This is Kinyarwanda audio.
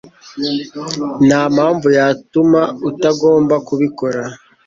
Nta mpamvu yatuma utagomba kubikora.